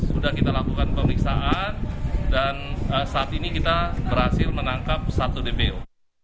sudah kita lakukan pemeriksaan dan saat ini kita berhasil menangkap satu dbl